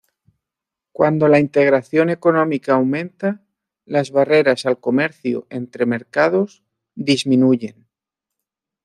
Cuando la integración económica aumenta, las barreras al comercio entre mercados disminuyen.